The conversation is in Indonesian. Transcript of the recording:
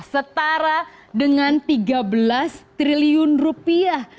setara dengan tiga belas triliun rupiah